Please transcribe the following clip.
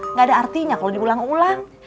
nggak ada artinya kalau diulang ulang